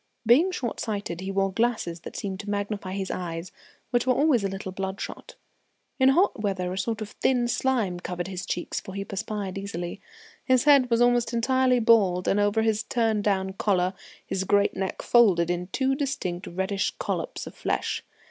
Being short sighted, he wore glasses that seemed to magnify his eyes, which were always a little bloodshot. In hot weather a sort of thin slime covered his cheeks, for he perspired easily. His head was almost entirely bald, and over his turn down collar his great neck folded in two distinct reddish collops of flesh.